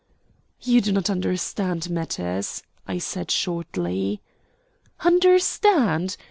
"You do not understand matters," I said shortly. "Understand!